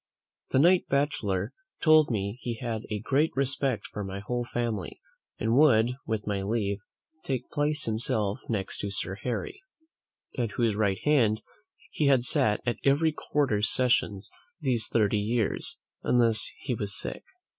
The knight bachelor told me "he had a great respect for my whole family, and would, with my leave, place himself next to Sir Harry, at whose right hand he had sat at every quarter sessions these thirty years, unless he was sick."